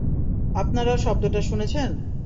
আপনারা শব্দটা শুনেছেন?